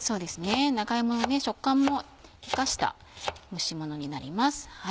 長芋の食感も生かした蒸しものになります。